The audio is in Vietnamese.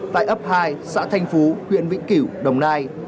tại ấp hai xã thạnh phú huyện vĩnh cửu đồng nai